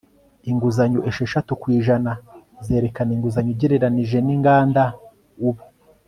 inguzanyo esheshatu ku ijana zerekana inguzanyo ugereranije ninganda ubu